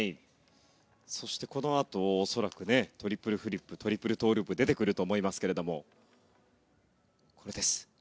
そしてこのあと恐らくトリプルフリップトリプルトウループが出てくると思いますがこれです。